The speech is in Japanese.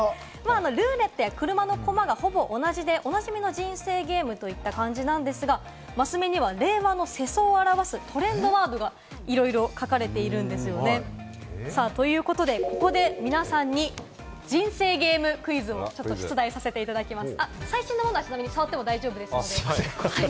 ルーレットや車のコマはほぼ同じで、おなじみの人生ゲームといった感じなんですが、マス目には令和の世相を表すトレンドワードがいろいろ書かれているんですよね。ということで、ここで皆さんに人生ゲームクイズをちょっと出題させていただきます。